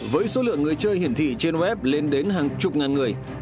với số lượng người chơi hiển thị trên web lên đến hàng chục ngàn người